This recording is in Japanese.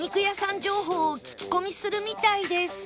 情報を聞き込みするみたいです